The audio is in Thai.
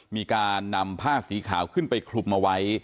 มีการนำผ้าสีขาวขึ้นไปคลุมเอาไว้